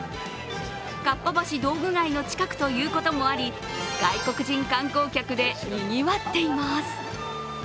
かっぱ橋道具街の近くということもあり外国人観光客でにぎわっています。